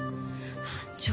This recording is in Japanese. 班長。